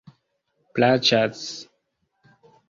plaĉas